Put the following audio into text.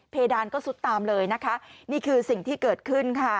ดานก็ซุดตามเลยนะคะนี่คือสิ่งที่เกิดขึ้นค่ะ